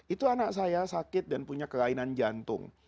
itu anak saya sakit dan punya kelainan jantung